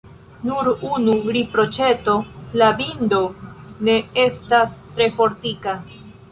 Nur unu riproĉeto: la bindo ne estas tre fortika.